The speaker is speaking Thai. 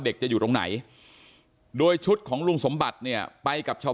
เด็กจะอยู่ตรงไหนโดยชุดของลุงสมบัติเนี่ยไปกับชาว